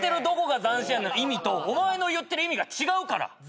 どこが斬新やねんの意味とお前の言ってる意味が違うから。